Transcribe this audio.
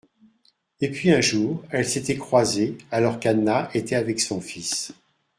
Et puis un jour elles s’étaient croisées alors qu’Anna était avec son fils